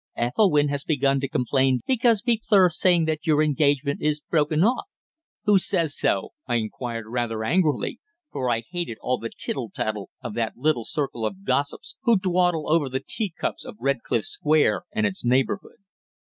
Ethelwynn has begun to complain because people are saying that your engagement is broken off." "Who says so?" I inquired rather angrily, for I hated all the tittle tattle of that little circle of gossips who dawdle over the tea cups of Redcliffe Square and its neighbourhood.